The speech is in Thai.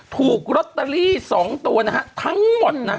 ถูกลอตเตอรี่๒ตัวนะฮะทั้งหมดนะ